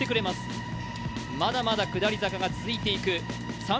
まだまだ下り坂が続いていく。